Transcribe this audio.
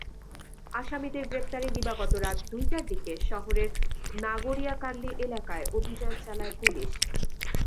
আসামিদের গ্রেপ্তারে দিবাগত রাত দুইটার দিকে শহরের নাগরিয়াকান্দি এলাকায় অভিযান চালায় পুলিশ।